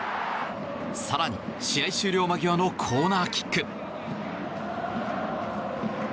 更に、試合終了間際のコーナーキック。